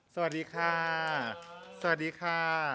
สวัสดีค่ะ